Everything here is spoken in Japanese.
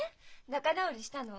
仲直りしたの？